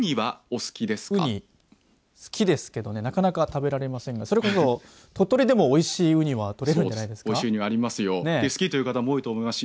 好きですけどなかなか食べられませんが鳥取でもおいしいうには取れるんじゃないですか。